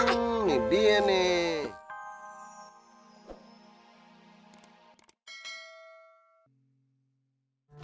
ini dia nih